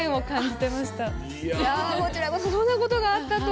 いやこちらこそそんなことがあったとは。